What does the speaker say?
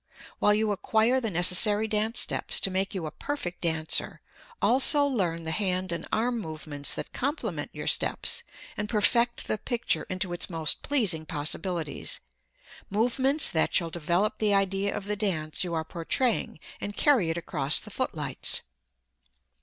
While you acquire the necessary dance steps to make you a perfect dancer, also learn the hand and arm movements that complement your steps and perfect the picture into its most pleasing possibilities, movements that shall develop the idea of the dance you are portraying and carry it across the footlights.